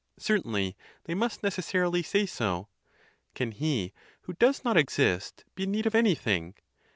Certainly they must necessarily say so. Can he who does not exist be in need of anything?